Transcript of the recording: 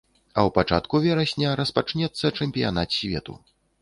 А ў пачатку верасня распачнецца чэмпіянат свету.